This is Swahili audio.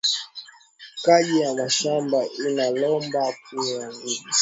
Kaji ya mashamba ina lomba kuya na nguvu sana